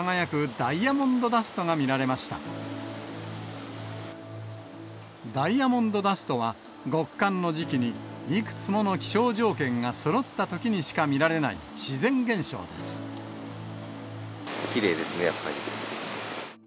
ダイヤモンドダストは、極寒の時期にいくつもの気象条件がそろったときにしか見られないきれいですね、やっぱり。